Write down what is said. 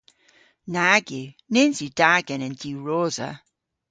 Nag yw. Nyns yw da genen diwrosa.